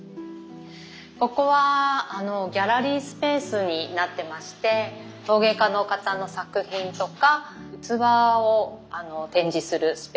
ここはギャラリースペースになってまして陶芸家の方の作品とか器を展示するスペースになっています。